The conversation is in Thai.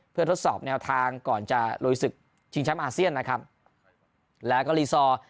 เพื่อทดสอบแนวทางก่อนจะลุยศึกชิงแชมป์อาเซียนนะครับแล้วก็รีซอร์